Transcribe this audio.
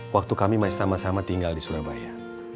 waktu kami masih sama sama tinggal di surabaya